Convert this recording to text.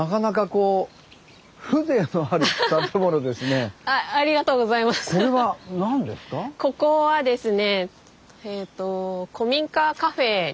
ここはですねえっと古民家カフェになります。